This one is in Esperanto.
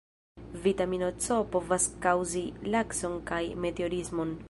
Vitamino C povas kaŭzi lakson kaj meteorismon.